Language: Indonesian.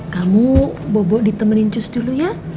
kamu bobo ditemenin cus dulu ya